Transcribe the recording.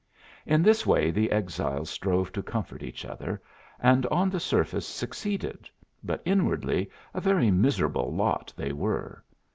In this way the exiles strove to comfort each other, and on the surface succeeded, but inwardly a very miserable lot they were.